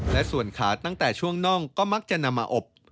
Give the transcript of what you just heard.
และส่วนขาตั้งแต่ช่วงน่องก็มักจะนำมาอบ